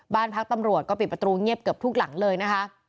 บ้านพักตำรวจก็ปิดประตูเงียบเกือบทุกหลังเลยนะคะ